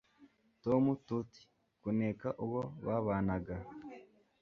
Tom tut kuneka uwo babanaga